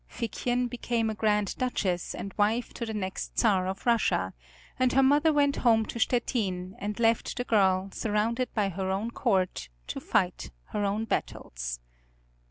Figchen became a Grand Duchess and wife to the next Czar of Russia, and her mother went home to Stettin and left the girl, surrounded by her own court, to fight her own battles.